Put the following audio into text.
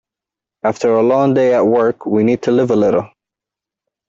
After a long day at work, we need to live a little.